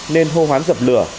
nên hô hoán dập lửa